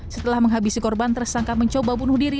setelah menghabisi korban tersangka mencoba bunuh diri